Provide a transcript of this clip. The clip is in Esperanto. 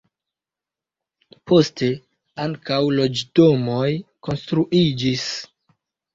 Poste ankaŭ loĝdomoj konstruiĝis.